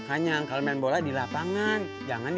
punya nomor telfonnya gak